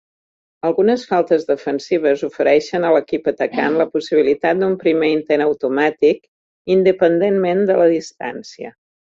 Algunes faltes defensives ofereixen a l'equip atacant la possibilitat d'un primer intent automàtic independentment de la distància.